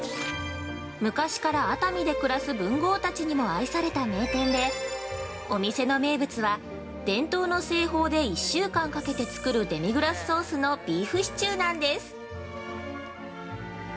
昔から熱海で暮らす文豪たちにも愛された名店で、お店の名物は、伝統の製法で１週間かけて作るデミグラスソースのビーフシチューなんです。